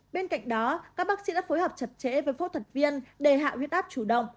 bên cạnh đó các bác sĩ đã phối hợp chặt chẽ với phẫu thuật viên đề hạ huyết áp chủ động